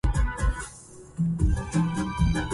ذهب توم لمركز المدينة بعد الظهر.